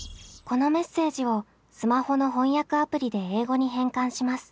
このメッセージをスマホの翻訳アプリで英語に変換します。